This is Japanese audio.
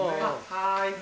はい。